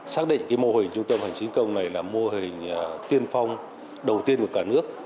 xác định mô hình trung tâm hành chính công này là mô hình tiên phong đầu tiên của cả nước